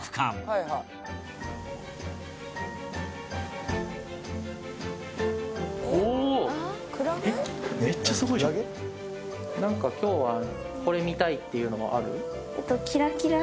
なんか今日はこれ見たいっていうのはある？